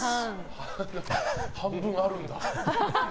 半分あるんだ。